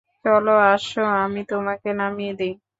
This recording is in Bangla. চলে আসো, আমি তোমাকে নামিয়ে দেই?